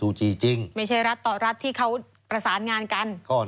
จริงไม่ใช่รัฐต่อรัฐที่เขาประสานงานกันก็